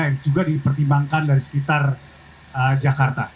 yang juga dipertimbangkan dari sekitar jakarta